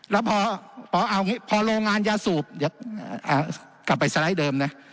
แล้วพอโรงงานยาสูบกลับไปสไลด์เดิมนะ